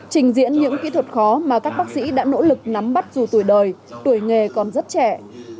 trình diễn những kỹ thuật khó mà các bác sĩ đã nỗ lực nắm bắt dù tuổi đời tuổi nghề còn rất trẻ